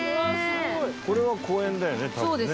これは公園だよね多分ね。